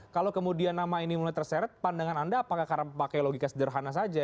kalau kemudian nama ini mulai terseret pandangan anda apakah karena pakai logika sederhana saja